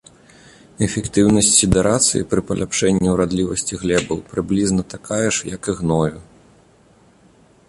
Эфектыўнасць сідэрацыі пры паляпшэнні ўрадлівасці глебаў прыблізна такая ж, як і гною.